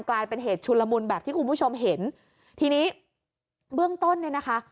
กลายเป็นเหตุชุนละมุนแบบที่คุณผู้ชมเห็นทีนี้เบื้องต้นเนี่ยนะคะ